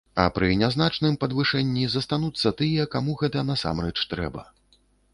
А пры нязначным падвышэнні застануцца тыя, каму гэта насамрэч трэба.